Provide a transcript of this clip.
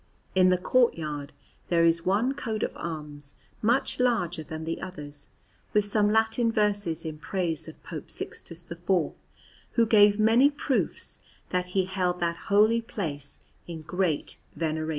In the courtyard there is one coat of arms much larger than the others, with some Latin verses in praise of Pope Sixtus IV, who gave many proofs that he held that holy place in great veneration.